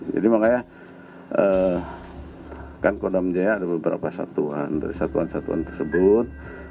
jadi makanya kan pangdam jaya ada beberapa satuan dari satuan satuan tersebut